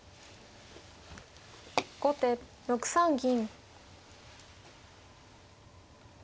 後手６三銀。